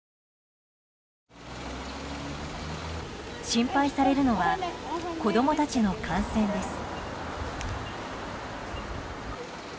心配されるのは子供たちの感染です。